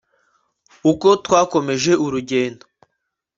Uko twakomeje urugendo